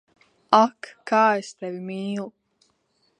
Ak, kā es Tevi mīlu!